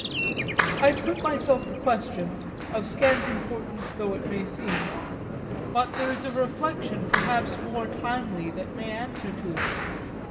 I put myself the question, of scant importance though it may seem; but there is a reflection perhaps more timely than any answer to it.